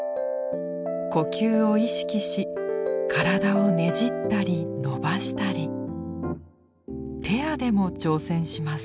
呼吸を意識し体をねじったり伸ばしたりペアでも挑戦します。